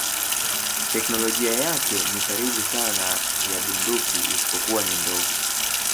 Teknolojia yake ni karibu sawa na ya bunduki isipokuwa ni ndogo.